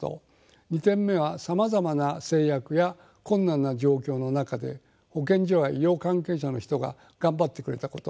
２点目はさまざまな制約や困難な状況の中で保健所や医療関係者の人ががんばってくれたこと。